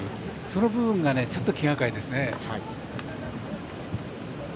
その部分がちょっと気がかりですね。